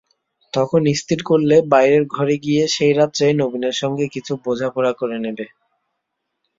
তখন স্থির করলে বাইরের ঘরে গিয়ে সেই রাত্রেই নবীনের সঙ্গে কিছু বোঝাপড়া করে নেবে।